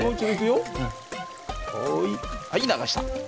はいはい流した。